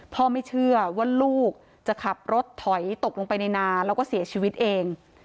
ไม่เชื่อว่าลูกจะขับรถถอยตกลงไปในนาแล้วก็เสียชีวิตเอง